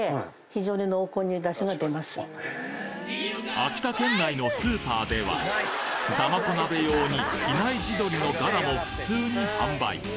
秋田県内のスーパーではだまこ鍋用に比内地鶏のガラも普通に販売。